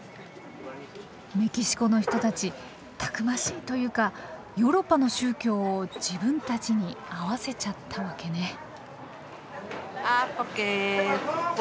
メキシコの人たちたくましいというかヨーロッパの宗教を自分たちに合わせちゃったわけね。